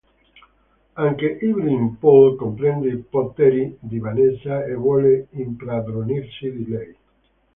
Anche Evelyn Poole comprende i poteri di Vanessa e vuole impadronirsi di lei.